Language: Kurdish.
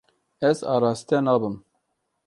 Ez araste nabim.